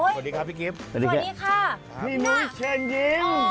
สวัสดีครับพี่กิ๊บสวัสดีค่ะพี่หนุ้ยเช่นยิ้ม